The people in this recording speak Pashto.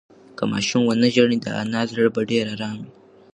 که ماشوم ونه ژاړي، د انا زړه به ډېر ارام وي.